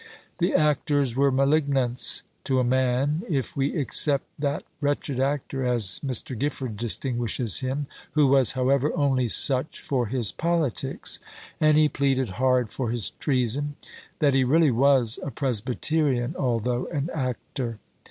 The actors were "Malignants" to a man, if we except that "wretched actor," as Mr. Gifford distinguishes him, who was, however, only such for his politics: and he pleaded hard for his treason, that he really was a presbyterian, although an actor.